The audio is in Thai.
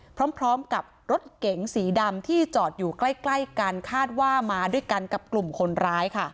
พร้อมกับรถเก๋งสีดำที่จอดอยู่ใกล้กันคาดว่ามาด้วยกันกับกลุ่มคนร้ายค่ะ